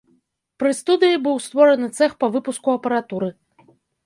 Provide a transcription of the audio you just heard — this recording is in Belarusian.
Пры студыі быў створаны цэх па выпуску апаратуры.